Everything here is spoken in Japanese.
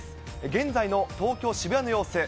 現在の東京・渋谷の様子。